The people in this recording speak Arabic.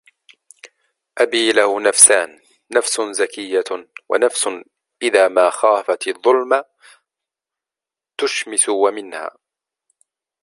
أَبِيٌّ لَهُ نَفْسَانِ نَفْسٌ زَكِيَّةُ وَنَفْسٌ إذَا مَا خَافَتْ الظُّلْمَ تُشْمِسُ وَمِنْهَا